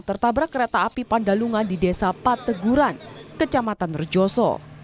tertabrak kereta api pandalungan di desa pateguran kecamatan rejoso